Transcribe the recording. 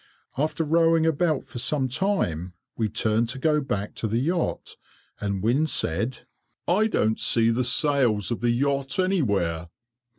After rowing about for some time, we turned to go back to the yacht, and Wynne said, "I don't see the sails of the yacht anywhere.